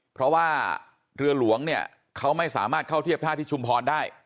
เพราะว่าเรือหลวงเนี่ยเขาไม่สามารถเข้าเทียบท่าที่ชุมพรได้